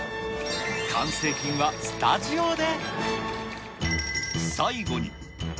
完成品はスタジオで。